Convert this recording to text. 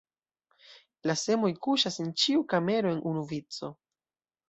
La semoj kuŝas en ĉiu kamero en unu vico.